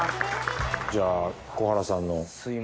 じゃあ小原さんの。